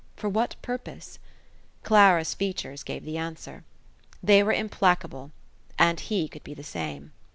For what purpose? Clara's features gave the answer. They were implacable. And he could be the same.